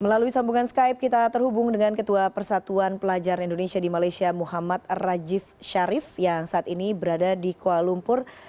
melalui sambungan skype kita terhubung dengan ketua persatuan pelajar indonesia di malaysia muhammad rajif sharif yang saat ini berada di kuala lumpur